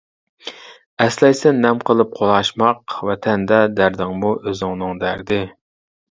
ئەسلەيسەن نەم قىلىپ قولاشماق، ۋەتەندە دەردىڭمۇ ئۆزۈڭنىڭ دەردى.